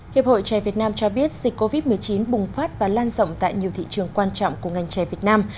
hiệp hội trẻ việt nam cho biết dịch covid một mươi chín bùng phát và lan rộng tại nhiều thị trường quan trọng của ngành trẻ việt nam